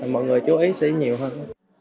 mọi người chú ý sẽ nhiều hơn